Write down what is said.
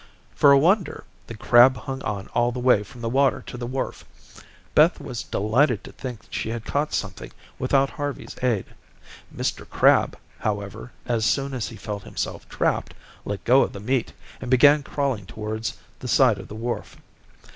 For a wonder, the crab hung on all the way from the water to the wharf. Beth was delighted to think she had caught something without Harvey's aid. Mr. Crab, however, as soon as he felt himself trapped, let go of the meat, and began crawling towards the side of the wharf.